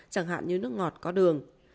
chẳng hạn như nước ngọt có đường